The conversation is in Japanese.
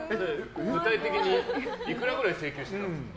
具体的にいくらぐらい請求したんですか？